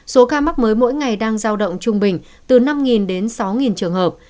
số ca mắc mới mỗi ngày đang giao động trung bình từ năm đến sáu trường hợp